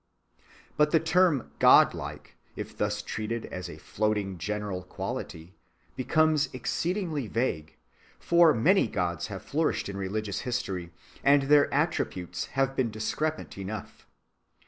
‐‐‐‐‐‐‐‐‐‐‐‐‐‐‐‐‐‐‐‐‐‐‐‐‐‐‐‐‐‐‐‐‐‐‐‐‐ But the term "godlike," if thus treated as a floating general quality, becomes exceedingly vague, for many gods have flourished in religious history, and their attributes have been discrepant enough.